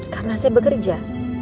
karena saya bekerja